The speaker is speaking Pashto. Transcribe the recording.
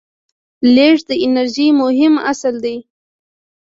لیږد د انرژۍ مهم اصل دی.